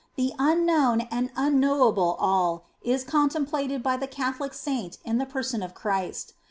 The Unknown and Unknowable All is contemplated by the Catholic Saint in the person of Christ.